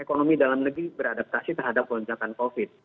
ekonomi dalam negeri beradaptasi terhadap lonjakan covid